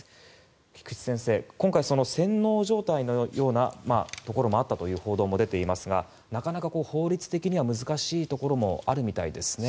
菊地先生、今回は洗脳状態のようだったという報道も出ていますがなかなか法律的には難しいところもあるみたいですね。